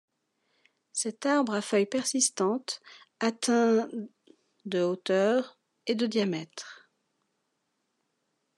Cet arbre à feuilles persistantes atteint de hauteur et de diamètre.